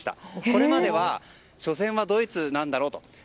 これまでは初戦はドイツなんだろ？